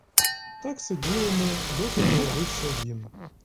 Так сиділи ми, доки не явився він.